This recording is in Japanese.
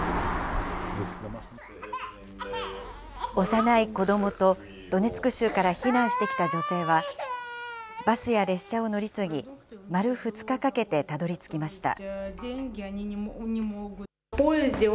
幼い子どもとドネツク州から避難してきた女性は、バスや列車を乗り継ぎ、丸２日かけてたどりつきました。